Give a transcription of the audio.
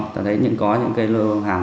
ta thấy có những lô hàng